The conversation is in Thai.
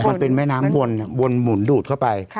มันเป็นแม่น้ำวนวนหมุนดูดเข้าไป